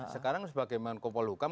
sekarang sebagai menkopol hukum